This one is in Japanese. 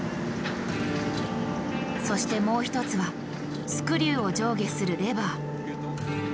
そしてもう一つはスクリューを上下するレバー。